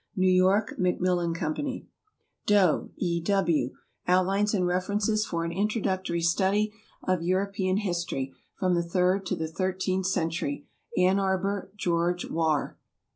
New York, Macmillan Co. DOW, E. W. "Outlines and References for an Introductory Study of European History, from the Third to the Thirteenth Century." Ann Arbor, George Wahr.